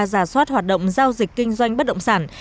giả soát hoạt động giao dịch kinh doanh bất động sản